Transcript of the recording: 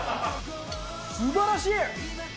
すばらしい。